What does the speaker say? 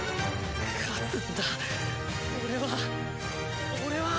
勝つんだ俺は俺は。